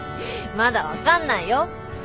まだ分かんないよ。